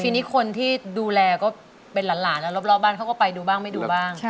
ทีนี้คนที่ดูแลก็เป็นหลานแล้วรอบบ้านเขาก็ไปดูบ้างไม่ดูบ้าง